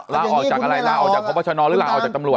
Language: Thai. ลาออกจากอะไรลาออกจากพบชนหรือลาออกจากตำรวจ